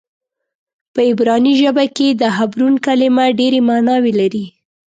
په عبراني ژبه کې د حبرون کلمه ډېرې معناوې لري.